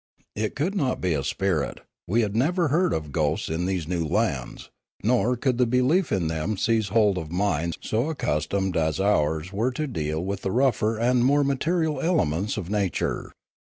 It could not be a spirit; we had never heard of ghosts in these new lands, nor could the belief in them seize hold of minds so accustomed as ours were to deal with the rougher and more material elements of nature.